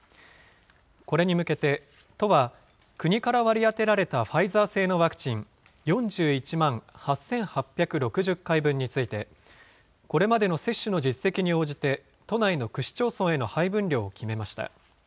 これに向けて都は、国から割り当てられたファイザー製のワクチン、４１万８８６０回分について、これまでの接種の実績に応じて、都内の区市町村への配分量を決めました。